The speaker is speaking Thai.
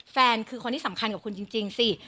แฟนคือคนที่สำคัญกับคุณจริงสิ